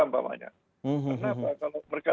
ampamanya karena kalau mereka